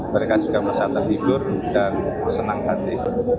mereka juga bersata hibur dan senang hati